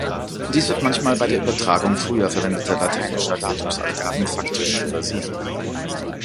Dies wird manchmal bei der Übertragung früher verwendeter lateinischer Datumsangaben faktisch übersehen.